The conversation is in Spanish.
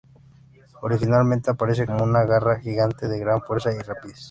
Originalmente, aparece como una garra gigante de gran fuerza y rapidez.